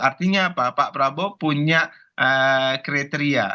artinya apa pak prabowo punya kriteria